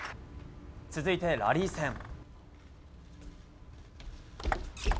続いて、ラリー戦。